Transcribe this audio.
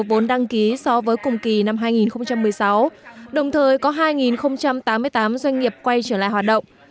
vốn đăng ký so với cùng kỳ năm hai nghìn một mươi sáu đồng thời có hai tám mươi tám doanh nghiệp quay trở lại hoạt động